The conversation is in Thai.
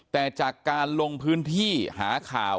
แต่จากการลงพื้นที่หาข่าว